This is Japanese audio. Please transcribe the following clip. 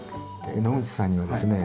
野口さんにはですね